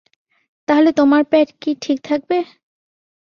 তাহলে, তোমার পেট কি ঠিক থাকবে?